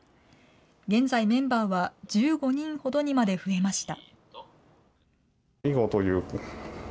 現在メンバーは１５人ほどにまで増えました。